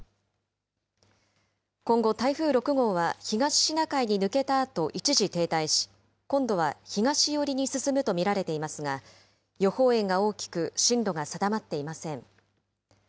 今後、台風６号は東シナ海に抜けたあと一時停滞し、今度は東寄りに進むと見られていますが、予報円が大きく、進路が定まっていません。